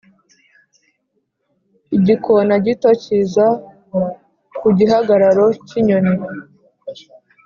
igikona gito cyiza ku gihagararo cyinyoni